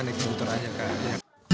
naik bentor aja kan